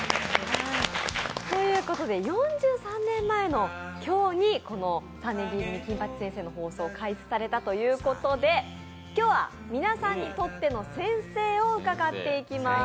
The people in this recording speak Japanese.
４３年前の今日にこの「３年Ｂ組金八先生」の放送が開始されたということで今日は皆さんにとっての先生を伺っていきます。